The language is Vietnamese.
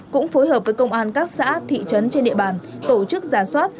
cũng phối hợp với công an các xã thị trấn trên địa bàn tổ chức giả soát